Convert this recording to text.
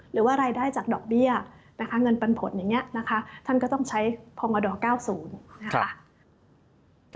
หรือว่ารายได้จากดอกเบี้ยเงินปันผลอย่างนี้ท่านก็ต้องใช้พองอดอร์๙๐